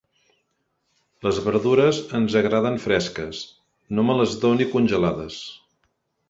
Les verdures ens agraden fresques; no me les doni congelades.